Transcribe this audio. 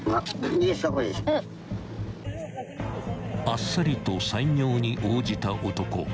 ［あっさりと採尿に応じた男］